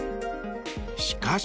しかし。